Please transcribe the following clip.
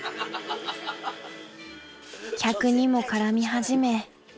［客にも絡み始め］